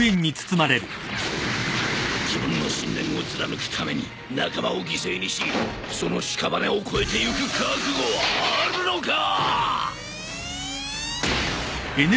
自分の信念を貫くために仲間を犠牲にしそのしかばねを越えていく覚悟はあるのか？